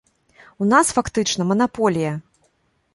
У нас, фактычна, манаполія.